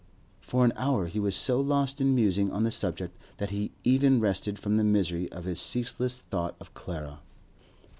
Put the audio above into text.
For an hour he was so lost in musing on the subject that he even rested from the misery of his ceaseless thought of Clara.